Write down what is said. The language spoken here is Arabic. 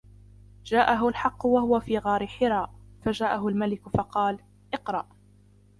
جَاءَهُ الْحَقُّ وَهُوَ فِي غَارِ حِرَاءٍ، فَجَاءَهُ الْمَلَكُ فَقَالَ: اقْرَأْ.